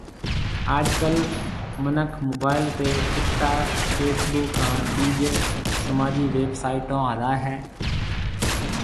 آج ڪل منک موبائل تيَ ٽِڪ ٽاڪ، فيس بُڪ ھان ٻيجيَ سماجِي ويب سائيٽون ھلائيَ ھيََََ